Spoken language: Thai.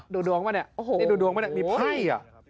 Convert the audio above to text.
ดูดวงป่ะเนี่ยนี่ดูดวงป่ะเนี่ยมีไพ่อ